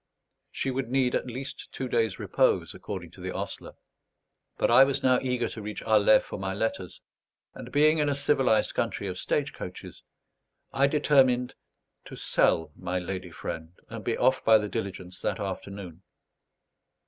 She would need at least two days' repose, according to the ostler; but I was now eager to reach Alais for my letters; and, being in a civilized country of stage coaches, I determined to sell my lady friend and be off by the diligence that afternoon.